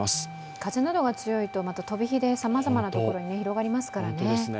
風などが強いと飛び火でさまざまな所に広がりますからね。